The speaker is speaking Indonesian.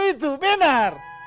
aku mau ke kantor